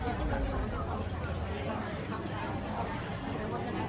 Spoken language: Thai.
แต่คุณต้องเรียกว่ามันจากสัก๕ราส